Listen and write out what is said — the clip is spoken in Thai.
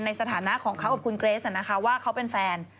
สถานะของเขากับคุณเกรสว่าเขาเป็นแฟน